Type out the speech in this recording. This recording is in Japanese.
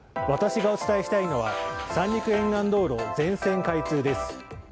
私がお伝えしたいのは三陸沿岸道路、全線開通です。